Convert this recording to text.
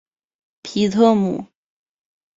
皮特姆。